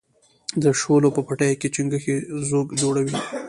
د شولو په پټیو کې چنگښې ځوږ جوړوي.